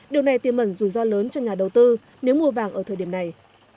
điều này tiêm mẩn rủi ro lớn cho nhà đầu tư nếu mua vàng ở thời điểm này